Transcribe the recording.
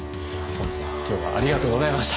本当に今日はありがとうございました。